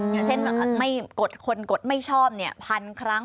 อย่างเช่นคนกดไม่ชอบ๑๐๐๐ครั้ง